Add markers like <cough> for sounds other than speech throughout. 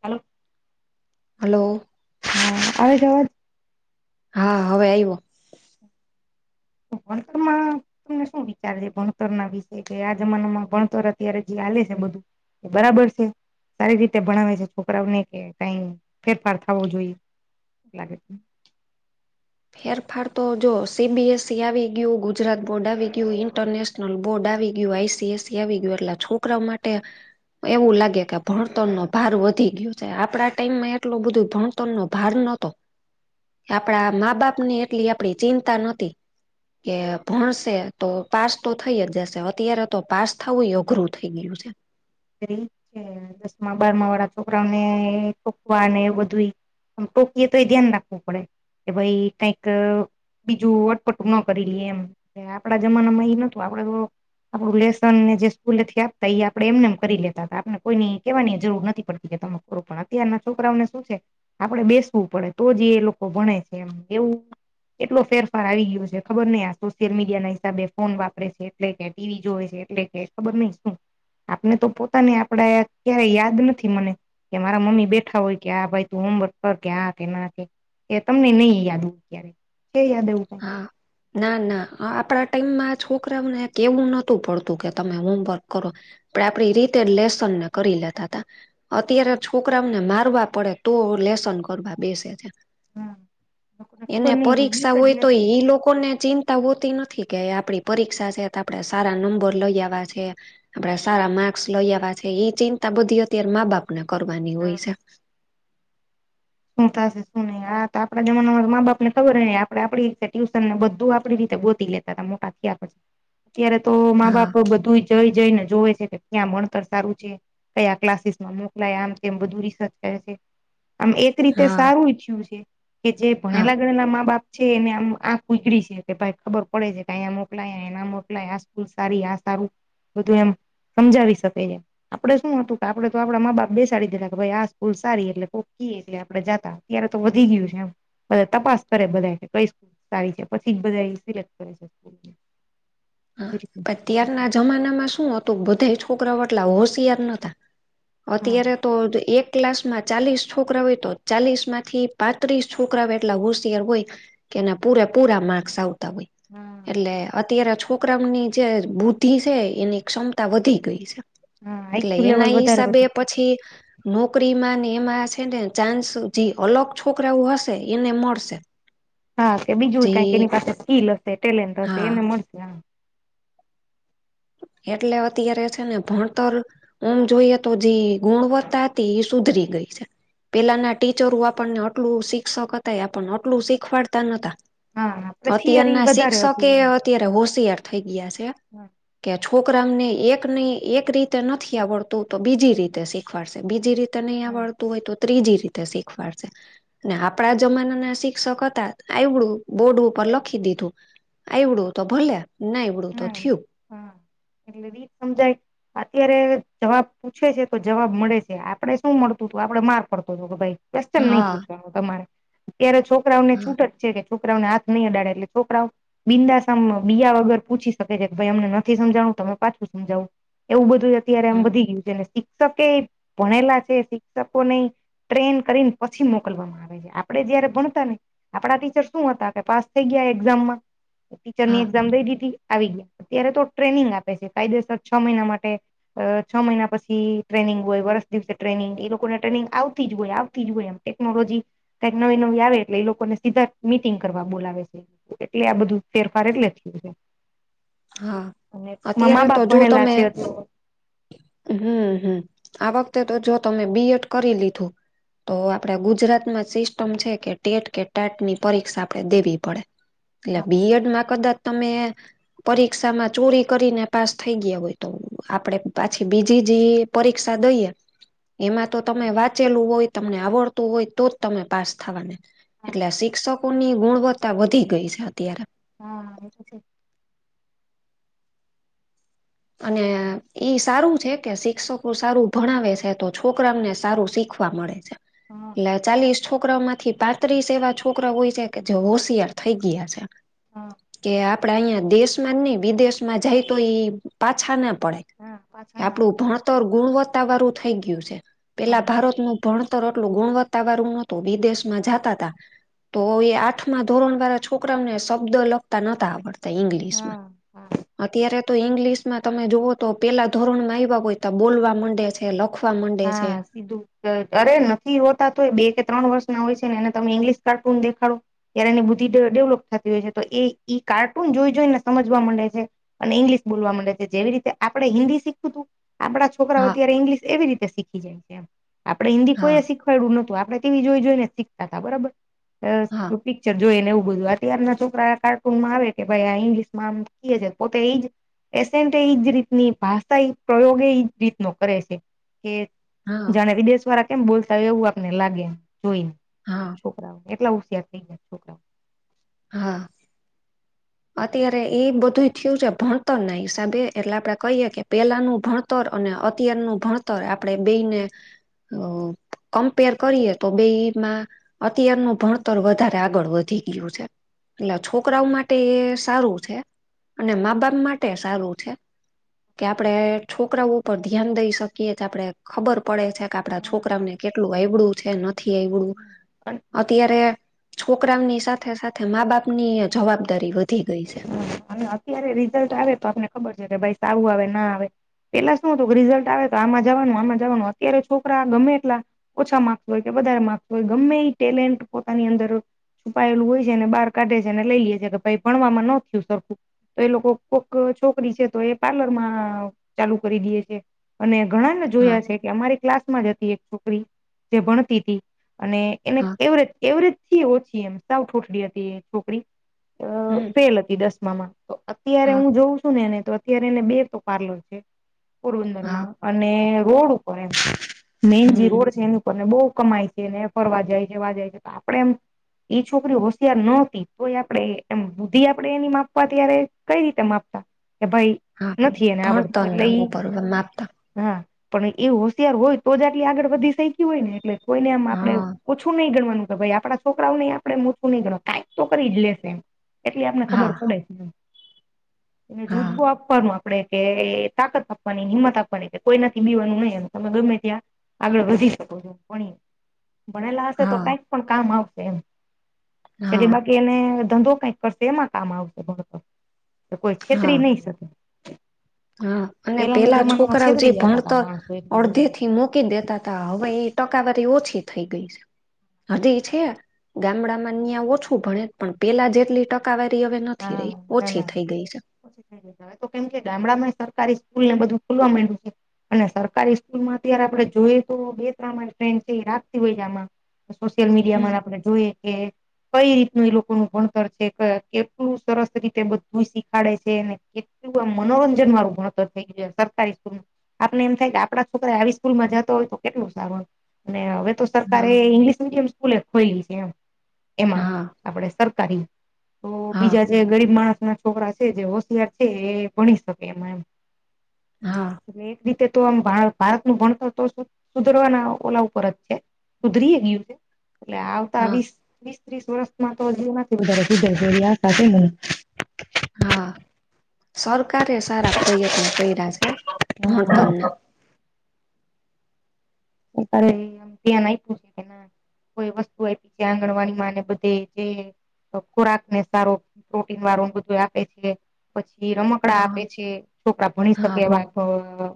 હાલો. Hello. આવે છે, અવાજ? હા હવે આયવો વનતમા તમને શું વિચાર છે, ભણતરના વિશે કે આ જમાનામાં ભણતર અત્યારે જે હાલે છે, બધું બરાબર છે. સારી રીતે ભણાવે છે, છોકરાઓને કે કાઈ ફેરફાર થવો જોઈએ લાગે ફેરફાર તો જો સીબીએસસી આવી ગયું, ગુજરાત બોર્ડ આવી ગયું ઇન્ટરનેશ નલ બોર્ડ આવી ગયું, આઈસીએસસી આવી ગયું એટલે છોકરા માટે એવું લાગે કે ભણતરનો ભાર વધી ગયો છે, આપડા ટાઈમમાં એટલું બધું ભણ તર ન ભાર નતો <inaudible> આપડા મા બાપ ની એટલી આપડી ચિંતા નતી કે ભણશે તો પાસ તો થઈ જ જશે અત્યારે તો પાસ થવુંય અઘરું થઇ ગયું છે. <unintelligible> દસમાં બારમા વાળા છોકરાઓને વાને બધુય આમ ટોકિય તો એ ધ્યાન રાખવું પડે કે ભાઈ કઈક બીજું અટપટું ન કરી લે એમ આપડા જમાનામાં ઈ નતું આપડે આપડું લેશન ને જે સ્કૂલેથી આપતા ઈ આપડે એમને કરી લેતા હતા આપને કોઈની કેવાની જરૂર નથી પડતી કે તમે કરો પણ અત્યના છોકરાઓને શું છે. આપડે બેસવું પડે તો જ એ લોકો ભણે છે, એમ એવું એટલો ફેરફાર આવી ગયો છે, ખબર નઈ આ સોશિયલ મીડિયાના હિસાબે ફોન વાપરે છે. એટલે કે ટીવી જોવે છે, એટલે કે ખબર નહિ શું? ને તો પોતાને આપડા ક્યારેય યાદ નથી મને કે મારા મમ્મી બેઠા હોય કે આ ભાઈ તું હોમવર્ક કર કે હા કે ના કે એ તમને નહી યાદુ ક્યારે કે યાદ એવું કાઈ? હા ના ના આપણા ટાઈમમાં આ છોકરાઓને કેવું નતું પડતું કે તમે હોમવર્ક કરો આપડે આયડી રીતે લેસન કરી લેતાતા અત્યારે છોકરાઓને મારવા પડે તો લેસન કરવા બેસે છે. હા લોકોને એને ખબર નઈ બીક પરીક્ષા જ હોય નથી એ લોકો ને ચિંતા હોતી નથી કે આપડી પરીક્ષા છે, ત આપડે સારા નંબર લઈ આવા છે. આપડા સારા માર્ક્સ લઈ આવવા છે એ ચિંતા બધી અત્યારે મા બાપ ને કરવાની હોય છે. શું થશે શું નહિ આ તો આપડા જમાનામાં મા બાપ ને ખબર હ ને આપડે આપડી રીતે ટ્યુશન ને બધું આપડી રીતે ગોતી લેતા. મોટા થયા પછ અત્યારે તો મા હા બાપ બધુંજ જઈ જઈને જોવે છે કે ક્યાં ભણતર સારું છે? કયા ક્લાસીસમાં મોકલાય આમ તેમ બધું રિસર્ચ કરે છે આમ એક રીતે હા સારું ઈચ્છ્યું છે કે જે હા ભણેલા ગણના મા બાપ છે એને આમ આંખ ઉજળી છે કે ભાઈ ખબર પડે છે કે અહીયા મોકલાય ના મોકલાય આ સ્કૂલ સારી આ સારું. બધું એમ સમજાવી શકે એ આપડે શું હતું કે આપડણે તો આપડા મા બાપ બેસાડી દેલા કે ભાઈ આ સ્કૂલ સારી એટલે કોક કી એટલે આપડે જાતા ત્યારે તો વધી ગયું છે એમ બધા તપાસ કરે બધા કઈ સારી છે પછી જ બધા સિલેક્ટ કરે છે. હ પણ ત્યારના જમાનામાં શું હતું બધા છોકરા એટલા હોશિયાર નતા હા અત્યારે તો એક ક્લાસ માં ચાલીસ છોકરા હોય તો ચાલીસ માંથી પાત્રીસ છોકરા હોય એટલા હોશિયાર હોય. એના પૂરે પૂરા માર્ક્સ આવતા હોય. હા એટલે અત્યારે છોકરાઓની જે બુદ્ધિ છે એની ક્ષમતા વધી ગઈ છે. હા એટલે આઈક્યુ લેવલ એના વધારે હિસાબે વધી ગયું છે પછી, નોકરી માં ને એમાં છે ને ચાન્સ જે અલગ છોકરાઓ હશે એને મળશે. હા કે જે બીજું કઈક એની પાસે સ્કીલ હશે, ટેલેન્ટ હશે હા એને મળશે હા એટલે અત્યારે છે ને ભણતર આમ જોઈએ તો જે ગુણવત્તા હતી એ સુધરી ગઈ છે. પેલાના ટીચર આપણને આટલું શિક્ષક હતા એ આપણને આટલું શીખવાડતા નતા. હા આપડે થિયરી અત્યારના વધારે શિક્ષકે હતું એમ એ અત્યારે હોશિયાર થઇ ગયા છે. હા કે છોકરામને એક ન એક રીતે નથી આવડતું તો બીજી રીતે શીખવાડશે બીજી રીતે. તને અહીં હા વળતું હોય તો ત્રીજી રીતે શીખવાડશે. ને આપણા જમાના ના શિક્ષક હતા આવવડું બોર્ડ ઉપર લખી દીધું. એવડું તો ભલે ના એવડું તો થયું. હમ્મ. એટલે રીત સમજાય અત્યારે જવાબ પૂછે છે તો જવાબ મળે છે આપડે શું મળતું હતું આપડે માર પડતો હતો કે ભાઈ. <unintelligible> નહી હા પૂછવાનું તમારે. ત્યારે છોકરાઓ ને હા છૂટ જ છે કે છોકરાઓને હાથ નં અડાડે એટલે છોકરાઓ બિંદાસ એમ બીયા વગર પૂછી શકે છે ભાઈ અમને નથી સમજાણું. તમે પાછું સમજાવું એવું બધું અત્યારે આમ હા વધી ગયું છે ને. શિક્ષકે ભણેલા છે શિક્ષકો ને ટ્રેન કરીને પછી મોકલવામાં આવે. આપડે જયારે ભણતા ને આપડા ટીચર શું હતા કે પાસ થઈ ગયા એક્ઝામમાં. ટીચર ની હા એક્ઝામ દઈ દીધી આવી ગયા અત્યારે તો ટ્રેનિંગ આપ પી કાયદેસર છ મહિના માટે અ છ મહિના પછી ટ્રેનિંગ હોય વર્ષ દિવસે ટ્રેનિંગ એ લોકોને ટ્રેનિંગ આવતી જ હોય આવતી જ હોય એમ. ટેકનોલોજી કક નવી નવી આવે એટલે એ લોકોને સીધા મિટિંગ કરવા બોલાવે છે. એટલે આ બધું ફેરફાર એટલે થયું છે. હા અને ટૂંકમાં અત્યારે હા તો જો તમે. હમ્મ હમ્મ આ વખતે તો જો તમે બીએડ કરી લીધું. તો આપડે ગુજરાતમાં સિસ્ટમ છે કે ટેટ કે ટેટ ની પરીક્ષા આપડે દેવી પડે. એટલે બીએડ માં કદાચ તમે. પરીક્ષા માં ચોરી કરીને પાસ થઈ ગયા હોય તો. આપડે પાછી બીજી જે પરીક્ષા દઈએ. એમાં તો તમે વાંચેલું હોય તમને આવડતું હોય તો જ તમે પાસ થવાને. હા એટલે શિક્ષકોની ગુણવત્તા વધી ગઈ છે અત્યારે. હા એ છે. અને ઈ સારું છે, કે શિક્ષકો સારું ભણાવે છે, તો છોકરા ને સારું શીખ વા મળે છે. હ. એટલે ચાલીસ છોકરામાંથી પાંત્રીસ એવા છોકરા હોય છે, કે જે હોશિયાર થઇ ગયા છે. હા કે આપડા અહંયા દેશમાં જ નઈ વિદેશમાં જાય તો એ પાછા ના પડે હા પાછા ના આપડું પડે ભણતર ગુણવત્તા વારું થઇ ગયું છે. હા પેલા ભારતનું ભણતર એટલું ગુણવત્તા વાળું નતું વિદેશમાં હા જાતાતા તો એ આઠમા ધોરણ વાળા છોકરાને શબ્દ લખતા નતા આવડ તા ઇંગલશમાં હા હા અત્યારે તો ઇંગ્લશ માં તમે જોઓ તો પેલા ધોરણમાં એવા હોય તો બોલવા માંડે છે. લખવા મં હા સીધું અરે નથી હોતા તો એ બે કે ત્રણ વર્ષના હોય છે, ને એને તમે ઈંગ્લિશ કાર્ટૂન દેખાડો ત્યારે એની બુદ્ધિ ડે ડેવલોપ થતી હોય છે, તો એ ઈ કાર્ટૂન જોઈ જોઈને સમજવા માંડે છે. અને ઇંગ્લિશ બોલવામાં મંડે છે, જેવી રીતે આપણે હિન્દી શીખવુંતુ આપડા છોકરાઓ હા અત્યારે ઇંગ્લિશ એવી રીતે શીખી જાય છે, એમ આપડે હિન્દી કોઈ હા શીખ ખવાયડું નતું આપડે તેવી જોઈ જોઈ ને શીખતાતા હા બરોબર પિક્ચર જોઈ ને એવું બધું અત્યારના છોકરા કાર્ટૂનમાં આવે કે ભાઈ આ ઇંગ્લિશમાં આમ કીયે છે, પોતે ઈજ એસેન્ટ એજ રીતની ભાષા એ પ્રયોગ એજ રીતનો કરે છે. કે હા જાણે વિદેશ વારા કેમ બોલતા હોય એવું આપને લાગે જોઈન્ હા છોકરાઓ એટલા હોશિયાર થઈ ગ્યા છોકરા હા. ત્યારે એ બધુંય થયું છે, ભણતરના હિસાબે, એટલે આપડે કહીએ કે પેહલાનું ભણ તર અને અત્યારનું ભણતર આપણે બેયને અ કમ્પેર કરીએ તો બેયમાં અત્યારનું ભણતર વધારે આગળ વધી ગ્યુ છે, એટલે છોકરાઓ મા એ સારું છે, અને મા બાપ માટે સારું છે. કે આપડે છોકરાઓ પર ધ્યાન દઈ શકીએ તો આપડે ખબર પડે છે. કા આપણા છોકરાવને કેટલું આયવ્ડું છે, નથી આયવ્ડું હા અત્યારે છોકરાવની સાથે સાથે મા બાપ નીય જવાબદારી વધી ગઈ છે. ત્યારે રિઝલ્ટ આવે તો આપને ખબર છે, કે ભઈ સારું આવે ના આવે પેલા શું હતું રિઝલ્ટ આવે તો આમાં જાવાનું આમાં જાવાનું અત્યારે છોકરા ગમે એટલા ઓછા માર્ક્સ હોય કે વધારે માર્ક્સ હોય ગમે ઈ ટેલેન્ટ પોતાની અંદર છુપાયેલું હોય છે, ને બહાર કાઢે છે, ને લઈ લ્યે છે, કે ભઈ ભણવામાં ન થ્યું સરખું તો એ લોકો કોક અ છોકરી છે, તો એ પાર્લર મા ચાલુ કરી દીએ છે. અને ઘણા ને હા જોયા છે, કે અમારી ક્લાસમાં જ હતી એક છોકરી, જે ભણતીતી અને એને હા એવરેજ એવરેજ થી ઓછી એમ, સાવ ઠોઠડી હતી એ છોકરી અ હમ ફેલ હતી દસમામાં તો અત્યારે હા હું જોઉં છું ને એને તો અત્યારે એને બે તો પાર્લર છે, હા પોરબંદરમાં અને રોડ ઉપર એમ મેઈન જે હમ રોડ છે, એની ઉપર ને બો કમાય છે, ને ફરવા જાય છે, વા જાય છે, આપડે એમ ઈ છોકરી હોશિયાર નતી તોય આપડે એમ બુધિ આપડે એની માપવા ત્યારે કઈ રીતે માપતા કે ભાઈ હા નથી એને આવડતું ભણતર એટલે ના ઈ ઉપર માપતા હા પણ ઈ હોશિયાર હોય તો જ આટલી આગળ વધી સૈકી હોય ને એટલે કોઈને આમ આપડે હા ઓછું નહીં ગણવાનું કે ભાઈ આપણા છોકરાઓ ને આપડે ઓછું નઈ ગણવાનુ કાઈક તો કરી જ લેશે એમ એટલે આપને ખબર હા પડે છે, એમ હા જુદબો <unintelligible> આપડે કે તાકાત આપવાની હિંમત આપવાની કે કોઈનાથી બીવાનું નય એમ તમે ગમે ત્યાં આગળ વધી શકો છો પણી ભણેલા હશે તો હા કઈક પણ કામ આવશે એમ, હા <unintelligible> બાકી એને ધંધો કાઈક પણ શેમાં કામ આવશે ભણતર કે કોઈ હા છેતરી નહી શકે હા અને પેલાના પેલા જમાનામાં છોકરાઓ જે છેતરી જતા હતા ભણતર માણસો એકબીજાને અડધે થી મૂકી દેતા હવે ઈ ટકાવારી ઓછી થઈ ગઈ છે. હજી છે, ગામડામાં ન્યાં ઓછું ભણે પણ પેલા જેટલી ટક્ કાવરી હવે નથી હા રી, ના ના ઓછી થઈ ગઈ છે. ઓછી હવે તો કેમ કે, ગામડામાંય સરકારી સ્કૂલ ને બધું ખુલવા મંડ્યું છે. અને સરકારી સ્કૂલ માં અત્યારે આપડે જોઈએ તો, બે ત્રણ મારી ફ્રેન્ડ છે એ રાખ્તી હોય આમાં. સોશિયલ મીડિયા માં હમ આપણે જોઈએ કે, કઈ રીતનું ઇ લોકોનું ભણતર છે ક કેટ્ ક્લું સરસ રીતે બધુંય શીખાડે છે, ને ક્ એવુ આમ મનોરંજન વારુ ભણતર થઈ ગય સરકારી સ્કૂલ આપને એમ થાય કે આપડા છોકરાય આવી સ્કૂલ માં જાતા હોય તો કેટલું સારુ. અને હવે તો સરકારે હા ઇંગ્લિશ મીડિયમ સ્કૂલજ્ ખોયલી છે એમ. એમાં, હા આપડે સરકારી તો, હા બીજા જે ગરીબ માણસ ના છોકરા છે જે હોશિયાર છે, એ ભણી શકે એમાં એમ હા એ એક રીતે તો આમ ભારતનું ભણતર તો સુધરવાના ઓલા ઉપર જ છે. ઉધરી એન યુ એટલે આવતા હા વીસ, વીસ ત્રીસ વર્ષમાં તો એમાંથી વધારે સુધરશે, એવી આશા છે મને. હા, સરકારે સારા પ્રયત્ન કર્યા છે, ભણતરના. ત્યારેય આમ ધ્યાન આય્પુ છે કે, ના કોઈ વસ્તુ આય્પી છે આંગણવાડી માં, ને બધેય જે તો ખોરાક ને સારું પ્રોટીન વાળું બધું આપે છે પછી રમકડા આપે હા છે છોકરા ભણી શકે હા એવા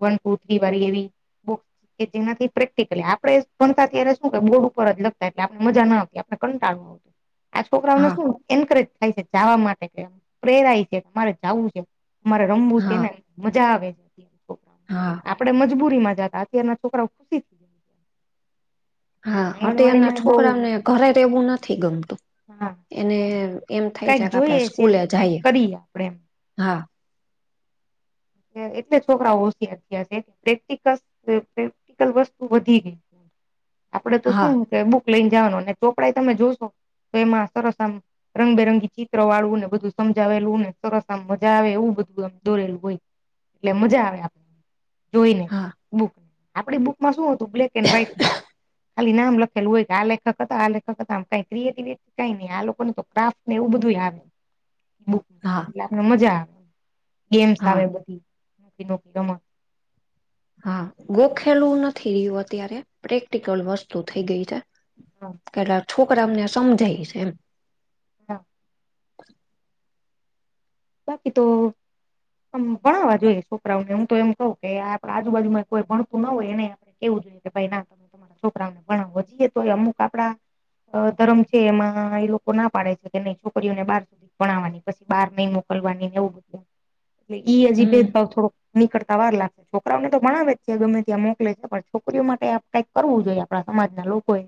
વન ટુ થ્રી વાળી એવી બ કે જેનાથી પ્રેક્ટિકલી આપણે ગણતા ત્યારે શું કે બોર્ડ ઉપર જ લખતા એટલે આપણે મજા ના આપતી આપણે કંટાળું આવતું આ છોકરાઓને હા શું એન્કરેજ થાય છે જવા માટે કે પ્રેરાય છે તમારે જવું છે મારે રમ ઊશિયા હા નને મજા આવે છે અતાર છોકરા હા આપડે મજબૂરીમાં જતા અત્યાર ના છોકરાઓ ખુશી બ <unintelligible> હા અ એના છોકરાને ઘરે રહેવું નથી ગમતું હા એને એમ થાય કઈક છે કે આપણેે જોઈએ છે એમ સ્કૂલે કે કઈક જઈએ કરીએ આપડે એમ હા એટલે છોકરાઓ હોશિયાર થયા છે પ્રેક્ટિકલ પ્રેક્ટિકલ વસ્તુ વધી ગઈ આપડે તો હા શું કે બુક લઈને જવાનું અને ચોપડાાઈ તમે જોશો તો એ માસ રસ રંગબેરંગી ચિત્ર વાળું ને બધું સમજાવેલું ને સરસ આમ મજા આવે એવું બધું દોરેલું હોય એટલે મજા આવે આપ જોઈને હા બુક આપડી બુકમાં શું હતું તો બ્લેક એન્ડ વ્હાઈટ ખાલી નામ લખેલું હોય કે આ લેખક હતા આ લેખક હતામ કઈ ક્રિએટિવિટી કઈ નહી આ લોકોને તો ક્રાફ્ટ ને એવું બધું આવ <unintelligible> હા ને મજા આવે ગેમ્સ હા આવે બધી ન ની રમ <unintelligible> હા ગોખેલવું નથી રહ્યું અત્યારે પ્રેક્ટિકલ વસ્તુ થઈ ગઈ છે કેટ છોકરા અમને સમજાય છે એમ હા <unintelligible> બાકી તો <unintelligible> મ ભણાવવા જોઈએ છોકરાઓને હું તો એમ કઉું કે આપણે આજુબાજુમાં કોઈ ભણતું ન હોય એને કેવું જોઈએ કે ભાઈ ના તમે તમારા છોકરાઓને ભણાવો જઈએ તો અમુક આપડા ધરમ છે એમાં એ લોકો ના પાડે છે કે નહી છોકરીઓને બાર ભવાની પછી બહાર નહી મોકલવાનીને એવું બધું એટ ઈ હજી હમ ભેદભાવ થોડોક નીકળતા વાર લાગશે છોકરાઓને તો ભણાવે જ છે ગમે ત્યાં મોકલે છે પણ છોકરીઓ માટે આ કરવું જોઈએ આપણા સમાજ ના લોકોએ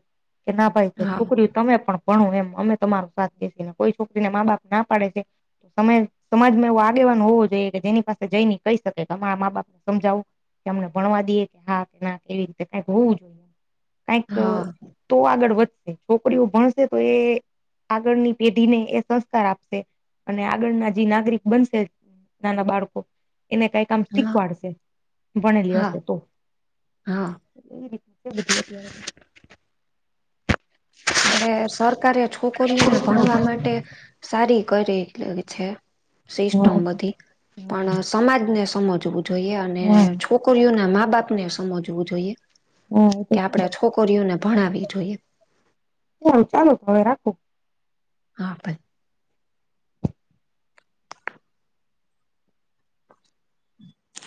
કે ના ભાઈ કે હા છોકરી તમે પણ ભણો એમ અમે તમારો સાથ બેસીને કોઈ છોકરીને મા બાપ ના પાડે છે તો સમય સમાજમાં એવો આગેવાન હોવો જોઈએ કે જેની પાસે જઈ નહી કઈ શકે કે અમારા મા બાપને સમજાવું કે અમને ભણવા દઈએ કે હા કે ના એવી રીતે કઈક હોવું જોઈએ કઈક. હા તો આગળ વધશે છોકરીઓ ભણશે તો એ આગળની પેઢી ને એ સંસ્કાર આપશે અને આગળના નાગરિક બનશે નાના બાળકો એને કઈ તમ હા શીખવાડશે ભણેલી હા હશે તો. હા એ આપડે સરકારે છોકરીઓને ભણવા માટે સારી કરી છે હા સિસ્ટમ બધી પણ સમાજને સમજવું જોઈએ અને હા છોકરીઓના મા બાપને સમજવું જોઈએ. હા એ તો કે છે આપડે છોકરીઓને ભણાવવી જોઈએ. હ ચાલો હવે રાખો. હા. હમ્મ.